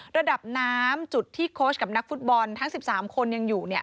ระดับน้ำจุดที่โค้ชกับนักฟุตบอลทั้ง๑๓คนยังอยู่